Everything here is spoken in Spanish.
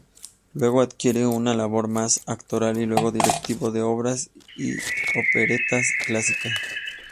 Luego adquiere una labor mas actoral y luego directivo de obras y operetas clásicas.